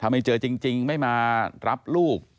ไม่เจอจริงไม่มารับลูก